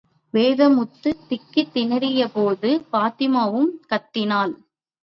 வேதமுத்து திக்கித் திணறியபோது, பாத்திமாவும் கத்தினாள்.